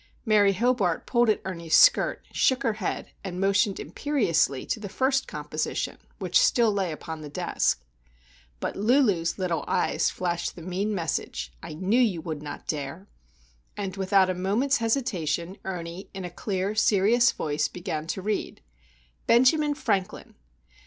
Mary Hobart pulled at Ernie's skirt, shook her head, and motioned imperiously to the first composition which still lay upon the desk. But Lulu's little eyes flashed the mean message,—"I knew you would not dare!" And, without a moment's hesitation, Ernie in a clear, serious voice began to read: BENJAMIN FRANKLIN.